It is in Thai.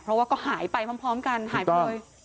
เพราะว่าก็หายไปพร้อมกันหายไปเลย